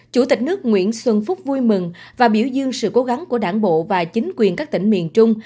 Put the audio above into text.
chủ tịch nước nguyễn xuân phúc vui mừng và biểu dương sự cố gắng của đảng bộ và chính quyền các tỉnh miền trung